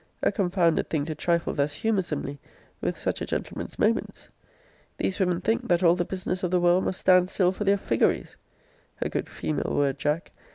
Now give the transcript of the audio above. A confounded thing to trifle thus humoursomely with such a gentleman's moments! These women think, that all the business of the world must stand still for their figaries [a good female word, Jack!